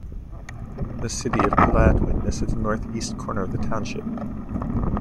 The City of Gladwin is at the northeast corner of the township.